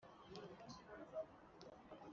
ni urukerereza mu barezi.